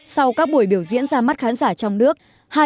sau các buổi biểu diễn ra mắt khán giả trong nước